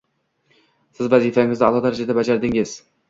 Siz vazifangizni a`lo darajada bajardingiz